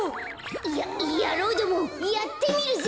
ややろうどもやってみるぜ！